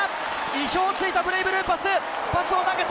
意表をついた、ブレイブルーパス。